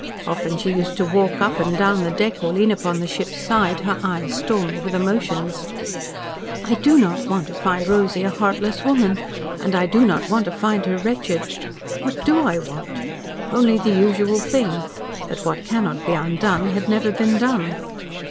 Often she used to walk up and down the deck or lean upon the ship's side, her eyes stormy with emotions. "I do not want to find Rosy a heartless woman, and I do not want to find her wretched. What do I want? Only the usual thing that what cannot be undone had never been done.